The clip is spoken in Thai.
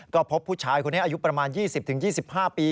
ก็พบผู้ชายคนนี้อายุประมาณ๒๐๒๕ปี